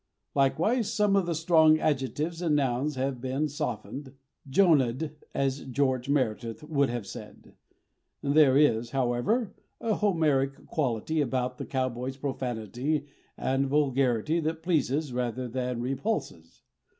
Likewise some of the strong adjectives and nouns have been softened, Jonahed, as George Meredith would have said. There is, however, a Homeric quality about the cowboy's profanity and vulgarity that pleases rather than repulses.